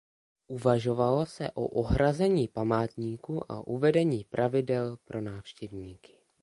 Uvažovalo se o ohrazení památníku a uvedení pravidel pro návštěvníky.